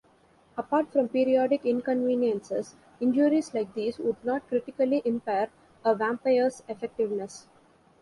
Apart from periodic inconveniences, injuries like these would not critically impair a vampire's effectiveness.